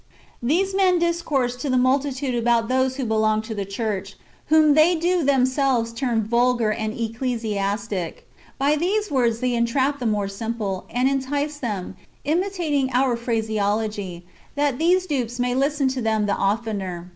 These men discourse to the multitude about those who belong to the church, whom they do themselves term " vulgar," and "ecclesiastic."^' By these words they entrap the more simple, and entice them, imitating our phraseology, that these [dupes] may listen to them the oftener ; and then these are ^ Actsxxii.